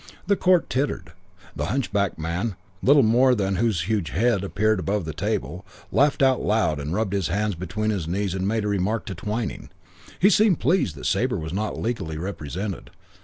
The court tittered. The hunchbacked man, little more than whose huge head appeared above the table, laughed out loud and rubbed his hands between his knees and made a remark to Twyning. He seemed pleased that Sabre was not legally represented.